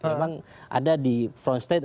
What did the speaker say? memang ada di front state